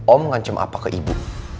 om mengancam apa ke ibu